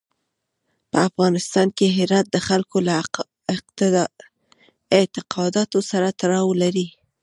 په افغانستان کې هرات د خلکو له اعتقاداتو سره تړاو لري.